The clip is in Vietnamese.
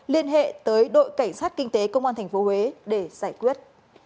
liên hệ tới đội cảnh sát kinh tế công an tp huế để giải quyết